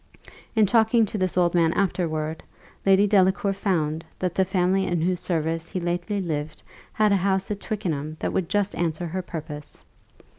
In talking to this old man afterward, Lady Delacour found, that the family in whose service he lately lived had a house at Twickenham that would just answer her purpose.